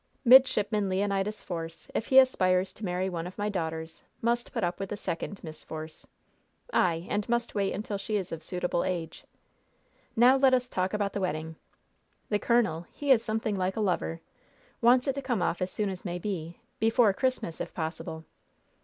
Midshipman Leonidas Force, if he aspires to marry one of my daughters, must put up with the second Miss Force! Ay, and must wait until she is of suitable age! Now let us talk about the wedding! The colonel he is something like a lover! wants it to come off as soon as may be, before Christmas, if possible!